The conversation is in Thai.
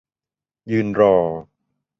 ยืนรอ